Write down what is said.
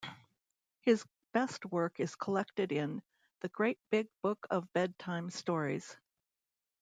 His best work is collected in "The Great Big Book of Bedtime Stories".